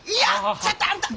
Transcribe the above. ちょっとあんた！